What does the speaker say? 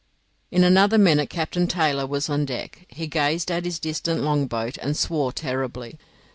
In another minute Captain Taylor was on deck. He gazed at his distant longboat and swore terribly.